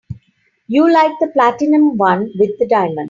You liked the platinum one with the diamonds.